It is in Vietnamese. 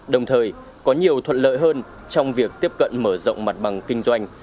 đồng thời có nhiều thuận lợi hơn trong việc tiếp cận mở rộng mặt bằng kinh doanh